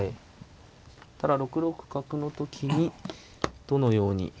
ただ６六角の時にどのように。